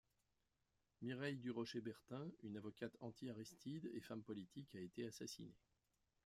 Mireille Durocher Bertin, une avocate anti-Aristide et femme politique, a été assassinée.